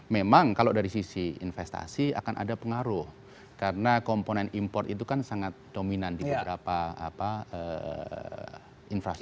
memang kalau dari sisi investasi akan ada pengaruh karena komponen import itu kan sangat dominan di beberapa infrastruktur